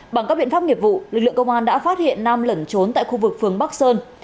bằng các biện pháp nghiệp vụ lực lượng công an đã phát hiện nam lẩn trốn tại khu vực phường bắc sơn